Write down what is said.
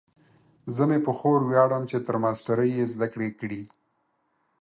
زه مې په خور ویاړم چې تر ماسټرۍ یې زده کړې کړي